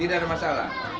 tidak ada masalah